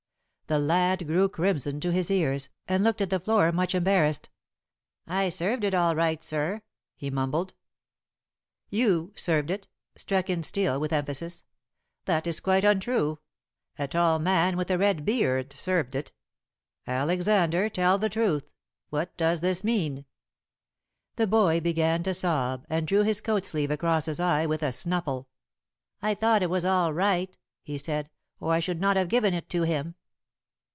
The lad grew crimson to his ears, and looked at the floor much embarrassed. "I served it all right, sir," he mumbled. "You served it," struck in Steel, with emphasis. "That is quite untrue. A tall man with a red beard served it." "Alexander, tell the truth. What does this mean?" The boy began to sob, and drew his coat sleeve across his eye with a snuffle. "I thought it was all right," he said, "or I should not have given it to him."